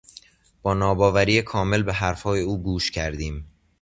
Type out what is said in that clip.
با ناباوری کامل به حرفهای او گوش کردیم.